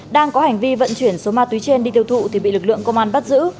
đang có hành vi vận chuyển số ma túy trên đi tiêu thụ thì bị lực lượng công an bắt giữ